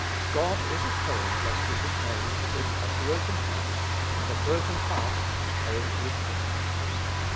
God is at home, blessed be his name, with a broken heart, and a broken heart at home with him.